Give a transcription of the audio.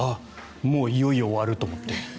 もういよいよ終わると思って。